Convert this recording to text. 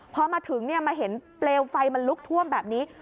พอมาถึงมาเห็นเปลวไฟมันลุกท่วมแบบนี้